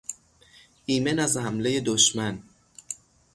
ایمن از حملهی دشمن